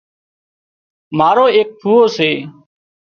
مارو ايڪ ڦُوئو سي